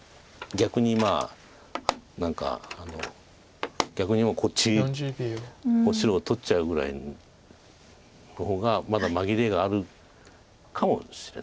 逆に何か逆にもうこっち白を取っちゃうぐらいの方がまだ紛れがあるかもしれないです。